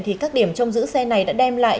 thì các điểm trong giữ xe này đã đem lại